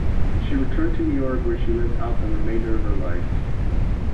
She returned to New York where she lived out the remainder of her life.